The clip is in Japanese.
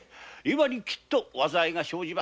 今にきっと災いが生じます。